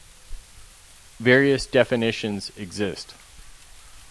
Various definitions exist.